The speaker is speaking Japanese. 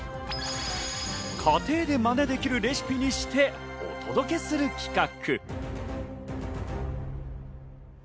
家庭でマネできるレシピにしてお届けする企画！